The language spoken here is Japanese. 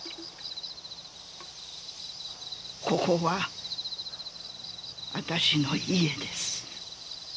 ここは私の家です。